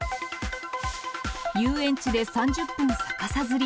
遊園地で３０分逆さづり。